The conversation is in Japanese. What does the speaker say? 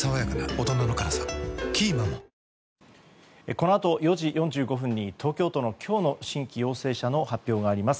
このあと４時４５分に東京都の今日の新規陽性者の発表があります。